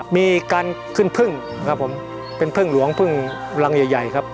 มีการขึ้นพึ่งครับผมเป็นพึ่งหลวงพึ่งรังใหญ่ใหญ่ครับ